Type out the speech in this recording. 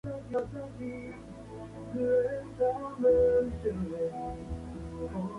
Si dos conjuntos tienen elementos en común, su unión no será disjunta.